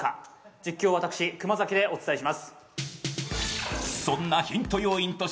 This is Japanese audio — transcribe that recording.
実況は私、熊崎でお伝えします。